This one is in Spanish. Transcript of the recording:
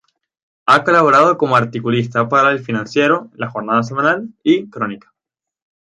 Ha colaborado como articulista para "El Financiero", "La Jornada Semanal" y "Crónica".